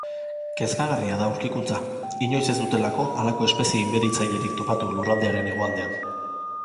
Kezkagarria da aurkikuntza, inoiz ez dutelako halako espezie inbaditzailerik topatu lurraldearen hegoaldean.